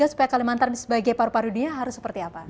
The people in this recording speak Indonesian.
supaya kalimantan sebagai paru paru dunia harus seperti apa